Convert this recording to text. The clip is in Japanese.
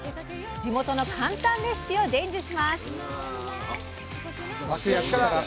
地元の簡単レシピを伝授します。